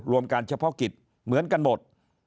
รวมการเฉพาะกิจเหมือนกันหมด